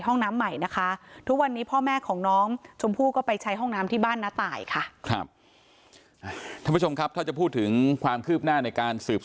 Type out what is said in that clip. ห้องน้ำใหม่นะคะทุกวันนี้พ่อแม่ของน้องชมพูก็ไปใช้ห้องน้ำที่บ้านนะตายค่ะ